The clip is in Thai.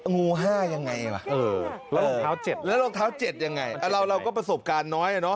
อ๋องู๕ยังไงวะแล้วลองเท้า๗ยังไงเราก็ประสบการณ์น้อยน่ะเนอะ